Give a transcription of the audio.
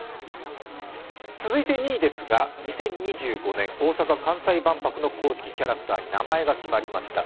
続いて２位ですが、２０２５年、大阪・関西万博の公式キャラクターに名前が決まりました。